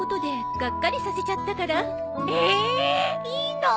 いいの？